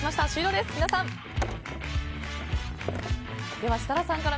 では、設楽さんから。